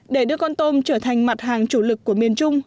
để đưa con tôm trở thành mặt hàng chủ lực của miền trung